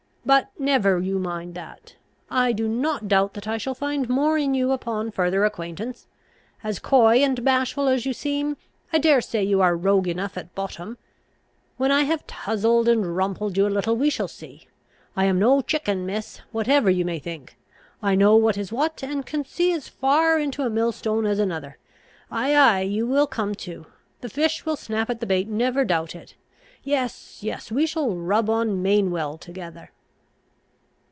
But never you mind that; I do not doubt that I shall find more in you upon further acquaintance. As coy and bashful as you seem, I dare say you are rogue enough at bottom. When I have touzled and rumpled you a little, we shall see. I am no chicken, miss, whatever you may think. I know what is what, and can see as far into a millstone as another. Ay, ay; you will come to. The fish will snap at the bait, never doubt it. Yes, yes, we shall rub on main well together."